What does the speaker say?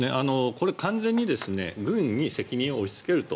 これは完全に軍に責任を押しつけると。